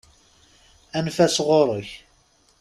Anef-as ɣuṛ-k!